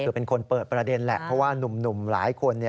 คือเป็นคนเปิดประเด็นแหละเพราะว่านุ่มหลายคน